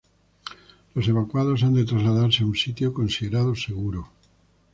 Los evacuados han de trasladarse a un sitio considerado seguro.